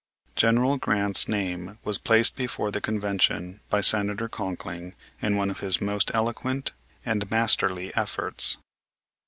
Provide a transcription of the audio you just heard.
General Grant's name was placed before the Convention by Senator Conkling in one of his most eloquent and masterly efforts.